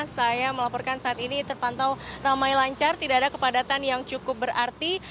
saya melaporkan saat ini terpantau ramai lancar tidak ada kepadatan yang cukup berarti